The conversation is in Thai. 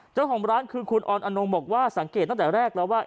เจ้าของร้านคือคุณออนอนงบอกว่าสังเกตตั้งแต่แรกแล้วว่า